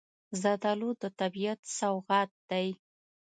زردالو د طبیعت سوغات دی.